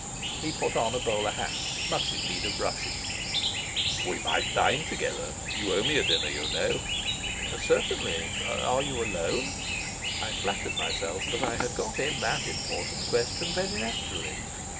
He put on a bowler hat much in need of brushing. "We might dine together. You owe me a dinner, you know." "Certainly. Are you alone?" I flattered myself that I had got in that important question very naturally.